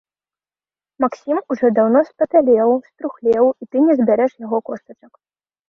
Максім ужо даўно спапялеў, струхлеў, і ты не збярэш яго костачак.